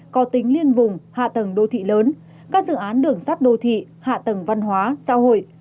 có tính liên vùng hạ tầng đô thị lớn các dự án đường sắt đô thị hạ tầng văn hóa xã hội